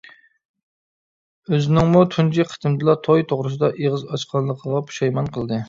ئۆزىنىڭمۇ تۇنجى قېتىمدىلا «توي» توغرىسىدا ئېغىز ئاچقانلىقىغا پۇشايمان قىلدى.